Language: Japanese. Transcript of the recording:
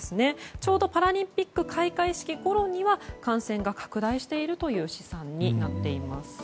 ちょうどパラリンピック開会式ごろには感染が拡大しているという試算になっています。